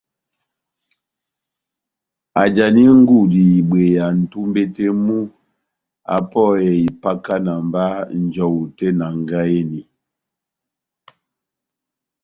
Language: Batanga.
ajani ngudi ibweya nʼtumbe tɛh mu apɔhe ipakana mba njɔwu tɛh enangahi eni.